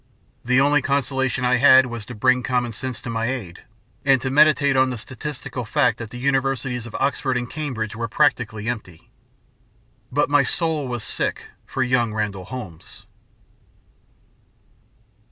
The only consolation I had was to bring commonsense to my aid and to meditate on the statistical fact that the Universities of Oxford and Cambridge were practically empty. But my soul was sick for young Randall Holmes.